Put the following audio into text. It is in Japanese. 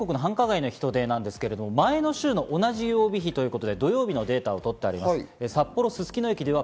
全国の繁華街の人出なんですが前の週の同じ曜日比ということで土曜日のデータを取ってあります。